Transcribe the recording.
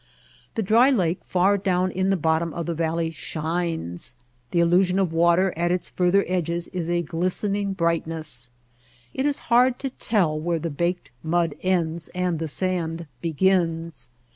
The dry lake far down in the bottom of the valley shines. The illusion of water at its further edges is a glisten ing brightness. It is hard to tell where the baked mud ends and the sand begins.